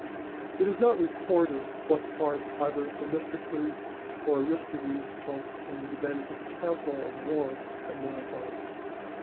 It is not recorded what part either Themistocles or Aristides took in the debate of the council of war at Marathon.